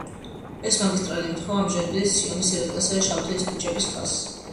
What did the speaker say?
ეს მაგისტრალი ემთხვევა ამჟამინდელი სიონის, ერეკლესა და შავთელის ქუჩების ხაზს.